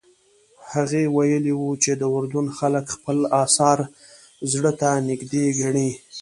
هغه ویلي وو چې د اردن خلک خپل اثار زړه ته نږدې ګڼي.